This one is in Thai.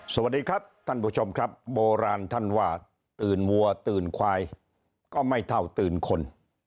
สวัสดีครับท่านผู้ชมครับโบราณท่านว่าตื่นวัวตื่นควายก็ไม่เท่าตื่นคน